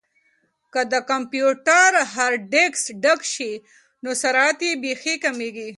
که د کمپیوټر هارډیسک ډک شي نو سرعت یې بیخي کمیږي.